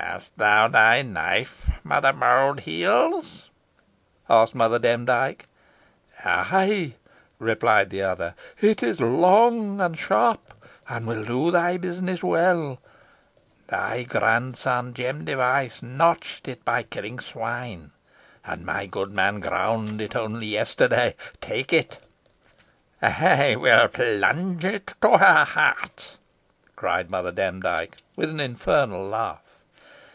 "Hast thou thy knife, Mould heels?" asked Mother Demdike. "Ay," replied the other, "it is long and sharp, and will do thy business well. Thy grandson, Jem Device, notched it by killing swine, and my goodman ground it only yesterday. Take it." "I will plunge it to her heart!" cried Mother Demdike, with an infernal laugh.